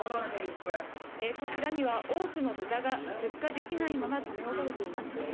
こちらには多くの豚が出荷できないまま留め置かれています。